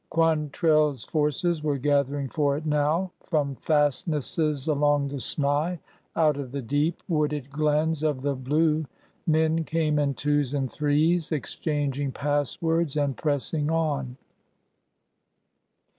Quan trelhs forces were gathering for it now. From fastnesses along the Snai, out of the deep, wooded glens of the Blue, men came in twos and threes, exchanging passwords and pressing on.